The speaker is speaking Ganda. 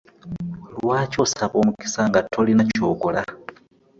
Lwaki osaba omukisa nga tolina ky'okola?